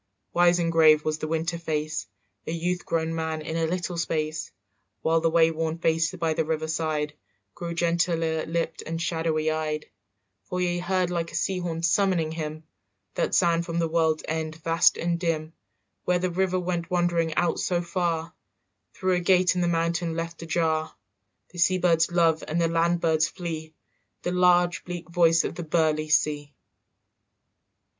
Wise and grave was the water face, A youth grown man in a little space; While the wayworn face by the river side Grew gentler lipped and shadowy eyed; For he heard like a sea horn summoning him That sound from the world's end vast and dim, Where the river went wandering out so far Through a gate in the mountain left ajar, The sea birds love and the land birds flee, The large bleak voice of the burly sea.